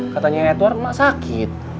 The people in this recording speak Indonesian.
katanya edward mak sakit